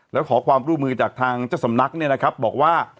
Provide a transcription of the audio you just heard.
แล้วขอความร่วมมือจากทางเจ้าสำนักเนี่ยนะครับบอกว่า